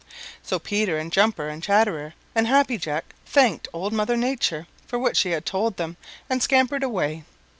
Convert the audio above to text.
So Peter and Jumper and Chatterer and Happy Jack thanked Old Mother Nature for what she had told them and scampered away.